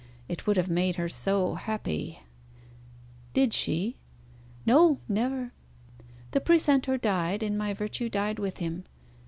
It would have made her so happy." "Did she?" "No, never. The precentor died, and my virtue died with him.